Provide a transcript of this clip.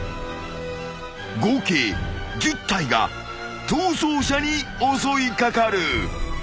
［合計１０体が逃走者に襲い掛かる］